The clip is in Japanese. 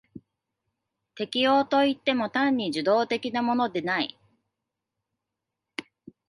適応といっても単に受動的なものでない。